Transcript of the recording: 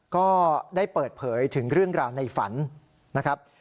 ก็ได้เปิดเผยถึงเรื่องราวในฝันนะครับ